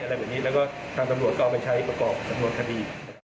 อะไรแบบนี้แล้วก็ทางตำรวจก็เอาไปใช้ประกอบสำนวนคดี